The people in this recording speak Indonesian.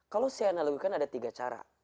kalau saya analogikan ada tiga cara